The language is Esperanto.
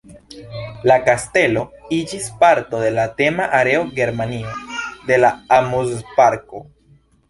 La kastelo iĝis parto de la tema areo "Germanio" de la amuzparko.